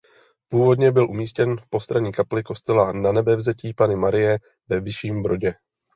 Původně byl umístěn v postranní kapli kostela Nanebevzetí Panny Marie ve Vyšším Brodě.